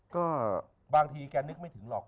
ก็บางทีแกนึกไม่ถึงหรอก